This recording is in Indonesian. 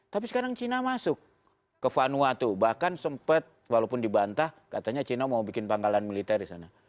tapi sekarang china masuk ke vanuatu bahkan sempet walaupun dibantah katanya china mau bikin pangkalan militer disana